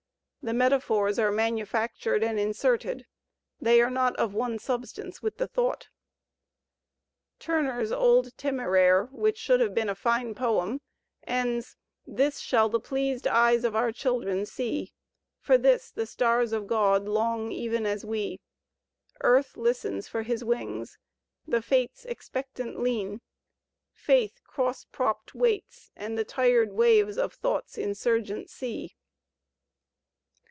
The metaphors are manufactured and inserted; they are not of one substance with the thought. "Turner's Old Tfimg raire," which should have been a fine poem, ends* This shall the pleased eyes of our children see; For this the stars of God long even as we; Earth listens for his wings; the Fates Expectant lean; Faith cross propt waits. And the tired waves of Thought's insurgent sea.